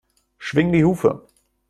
Schwing die Hufe!